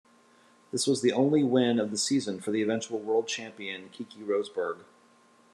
This was the only win of the season for eventual World Champion Keke Rosberg.